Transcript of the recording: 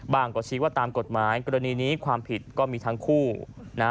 ก็ชี้ว่าตามกฎหมายกรณีนี้ความผิดก็มีทั้งคู่นะฮะ